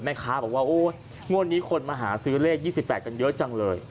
แม่ค้าบอกว่าโอ๊ยงวดนี้คนมาหาซื้อเลข๒๘กันเยอะจังเลย